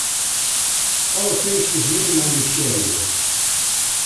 Alle finsters minimalisearje.